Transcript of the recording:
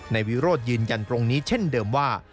วิโรธยืนยันตรงนี้เช่นเดิมว่า